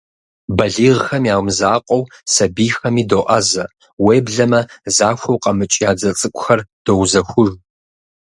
Балигъхэм я мызакъуэу, сабийхэми доӀэзэ, уеблэмэ захуэу къэмыкӀ я дзэ цӀыкӀухэр доузэхуж.